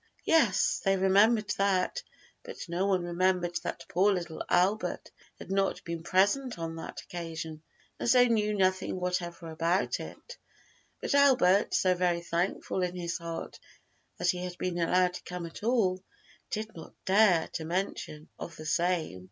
Yes, they remembered that, but no one remembered that poor little Albert had not been present on that occasion, and so knew nothing whatever about it; but Albert, so very thankful in his heart that he had been allowed to come at all, did not dare to make mention of the same.